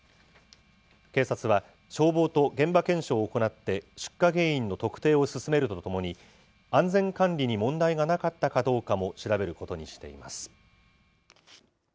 警察は、消防と現場検証を行って、出火原因の特定を進めるとともに、安全管理に問題がなかったかどうかも調べることにしています。